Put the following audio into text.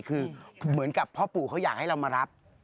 คือเหมือนกับพ่อปู่เขาอยากให้เรามารับ